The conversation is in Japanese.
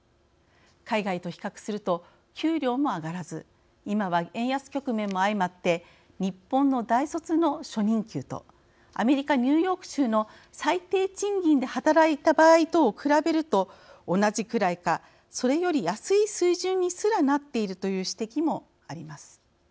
海外と比較すると給料も上がらず今は円安局面も相まって日本の大卒の初任給とアメリカ・ニューヨーク州の最低賃金で働いた場合とを比べると同じぐらいかそれより安い水準にすらなっているという指摘もあります。